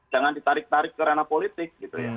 jangan ditarik tarik karena politik